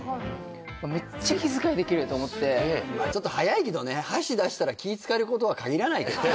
めっちゃ気遣いできると思ってまあちょっと早いけどね箸出したら気つかえる子とはかぎらない